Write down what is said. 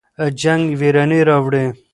جنګ ویراني راوړي.